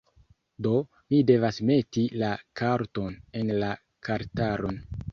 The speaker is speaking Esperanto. Do, mi devas meti la karton en la kartaron